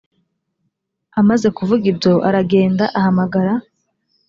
amaze kuvuga ibyo aragenda ahamagara